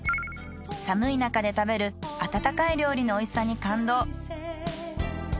寒い中で食べる温かい料理のおいしさに感動。